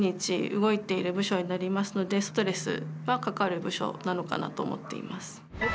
動いている部署になりますのでストレスはかかる部署なのかなと思っています。